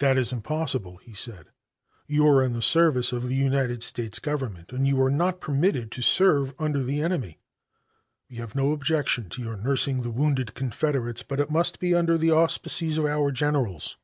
"That is impossible," he said. "You are in the service of the United States Government, and you are are not permitted to serve under the enemy. We have no objection to your nursing the wounded Confederates, but it must be under the auspices of our generals.